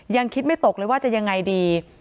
ยังคิดไม่ตกเลยว่าจะยังไงดี